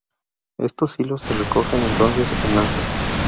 Estos hilos se recogen entonces en haces.